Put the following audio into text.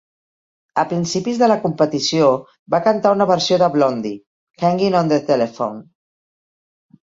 A principis de la competició va cantar una versió de Blondie "Hanging on the Telephone".